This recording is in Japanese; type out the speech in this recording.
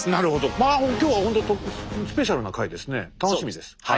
まあ今日はほんとスペシャルな会ですね。